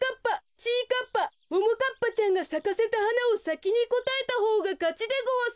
かっぱももかっぱちゃんがさかせたはなをさきにこたえたほうがかちでごわす。